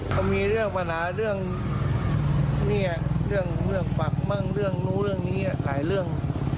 ก็มีเรื่องปัญหาเรื่องฝักมั่งเรื่องนู้นเรื่องนี้หลายเรื่อง